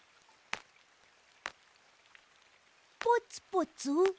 ポツポツ？